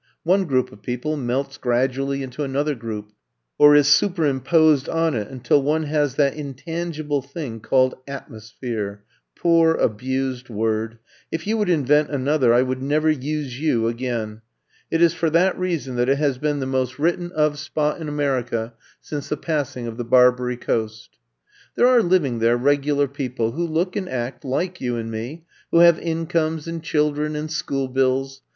One group of peo ple melts gradually into another group or is superimposed on it until one has that intangible thing called atmosphere — ^poor, abused word — ^if you would invent another, I would never use you again — it is for that reason that it has been the most written I'VE COME TO STAY 5 of spot in America since the passing of the Barbary Coast. There are living there Regular People, who look and act like you and me, who have incomes and children and school bills.